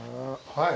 はい。